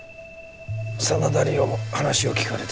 真田梨央も話を聴かれて